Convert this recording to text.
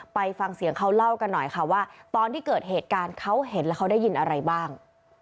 ไปฟังเสียงเขาเล่ากันหน่อยค่ะว่าตอนที่เกิดเหตุการณ์เขาเห็นแล้วเขาได้ยินอะไรบ้าง